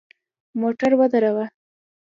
موټر ودروه !